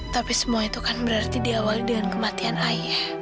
tapi semua itu kan berarti diawali dengan kematian ayah